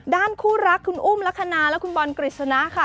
ด้านคู่รักของคุณอุ้มลักษณาและคุณบรรกิชนะค่ะ